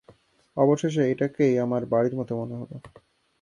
অবশেষে এটাকেই আমার বাড়ির মতো মনে হল।